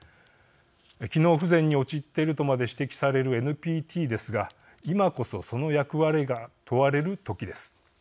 機能不全に陥っているとまで指摘されるＮＰＴですが今こそその役割が問われる時です。